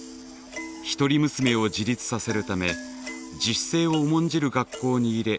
一人娘を自立させるため自主性を重んじる学校に入れ